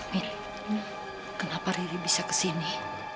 mit kenapa riri bisa kesini